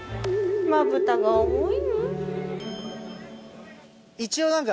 まぶたが重い。